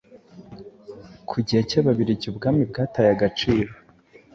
Ku gihe cy'Ababiligi ubwami bwataye agaciro.